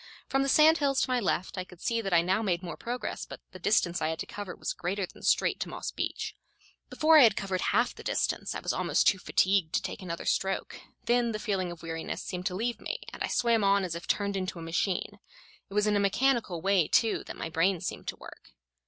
From the sand hills to my left I could see that I now made more progress, but the distance I had to cover was greater than straight to Moss Beach. Before I had covered half the distance I was almost too fatigued to take another stroke; then the feeling of weariness seemed to leave me, and I swam on as if turned into a machine. It was in a mechanical way, too, that my brain seemed to work.